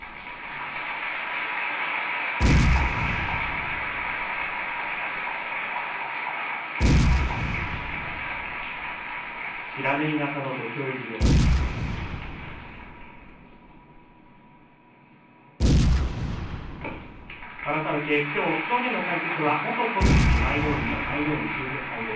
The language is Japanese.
拍手改めて正面の解説は元小結舞の海舞の海秀平さんです。